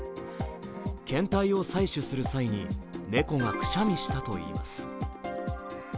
検体を採取する際に、ネコがくしゃみしたといいます。